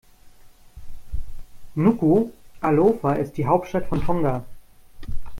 Nukuʻalofa ist die Hauptstadt von Tonga.